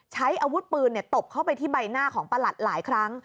ใช้อาวุธปืนตบเข้าไปที่ใบหน้าของประหลัดหลายครั้ง